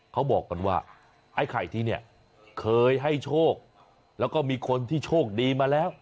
เขาบอกกันว่าไอ้ไข่ที่เนี่ยเคยให้โชคแล้วก็มีคนที่โชคดีมาแล้ว